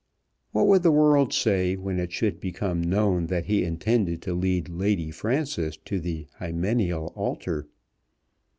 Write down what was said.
What would the world say when it should have become known that he intended to lead Lady Frances to the "hymeneal altar?"